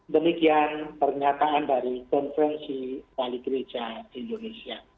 demikian pernyataan dari konferensi wali gereja indonesia